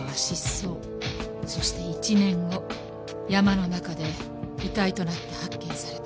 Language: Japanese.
そして１年後山の中で遺体となって発見された。